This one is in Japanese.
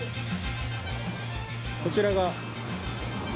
こちらが。